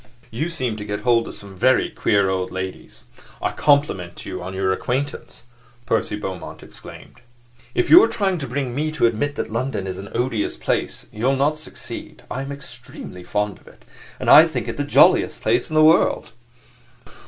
"You seem to get hold of some very queer old ladies; I compliment you on your acquaintance!" Percy Beaumont exclaimed. "If you are trying to bring me to admit that London is an odious place, you'll not succeed. I'm extremely fond of it, and I think it the jolliest place in the world."